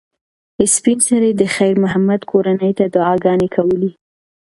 سپین سرې د خیر محمد کورنۍ ته دعاګانې کولې.